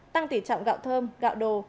tăng thỉ trọng gạo thơm gạo đồ